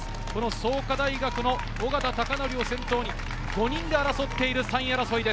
創価大学の緒方貴典を先頭に５人で争っている３位争いです。